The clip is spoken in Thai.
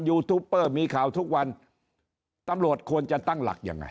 ยูทูปเปอร์มีข่าวทุกวันตำรวจควรจะตั้งหลักยังไง